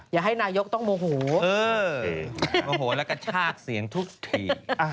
อย่าให้นายกต้องโมโหโมโหแล้วก็ชากเสียงทุกที